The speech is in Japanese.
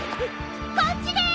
こっちでーす！